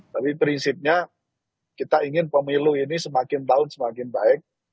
tapi prinsipnya kita ingin pemilu ini semakin tahun semakin baik